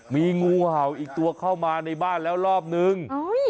มีงูเห่าอีกตัวเข้ามาในบ้านแล้วรอบนึง